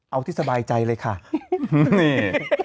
เอาที่สบายใจเลยค่ะนี่